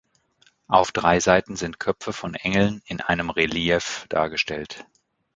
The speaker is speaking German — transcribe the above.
Auf drei Seiten sind Köpfe von Engeln in einem Relief dargestellt.